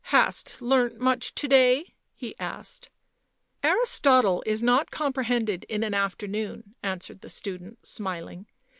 " Hast learnt much to day?" he asked. " Aristotle is not comprehended in an afternoon," answered the student, smiling.